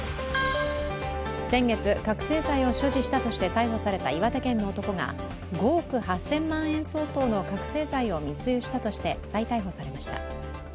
先月、覚醒剤を所持したとして逮捕された岩手県の男が５億８０００万円相当の覚醒剤を密輸したとして再逮捕されました。